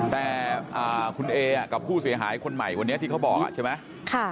แต่คุณเอกับผู้เสียหายคนใหม่วันนี้ที่เขาบอกใช่ไหม